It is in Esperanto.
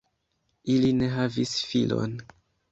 Ili ne havis filon.